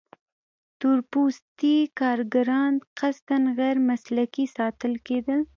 تور پوستي کارګران قصداً غیر مسلکي ساتل کېدل.